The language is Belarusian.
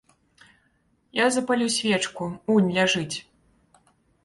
Я запалю свечку, унь ляжыць.